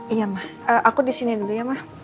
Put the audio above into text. iya ma aku di sini dulu ya ma